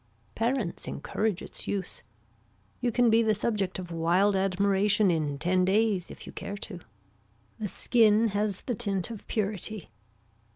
Parents encourage its use. You can be the subject of wild admiration in ten days if you care to. The skin has the tint of purity.